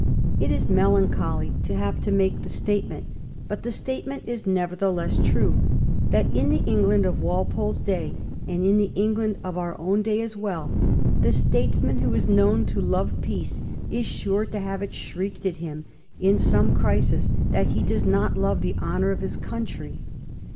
It is melancholy to have to make the statement, but the statement is nevertheless true, that in the England of Walpole's day, and in the England of our own day as well, the statesman who is known to love peace is sure to have it shrieked at him in some crisis that he does not love the honor of his country.